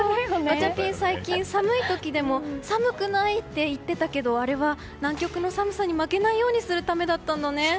ガチャピン、最近寒い時でも寒くない！って言っていたけどあれは南極の寒さに負けないようにするためだったんだね。